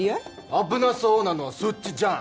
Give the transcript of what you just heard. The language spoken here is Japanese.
危なそうなのはそっちじゃん。